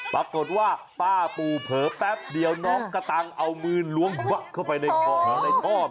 ปรากฏว่าป้าปูเผลอแป๊บเดียวน้องกระตังเอามือล้วงวักเข้าไปในท่อ